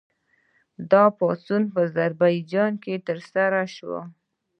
دا پاڅون په اذربایجان کې ترسره شو.